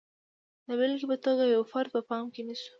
د بېلګې په توګه یو فرد په پام کې نیسو.